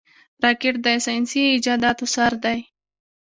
راکټ د ساینسي ایجاداتو سر دی